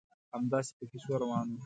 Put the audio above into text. همداسې په کیسو روان وو.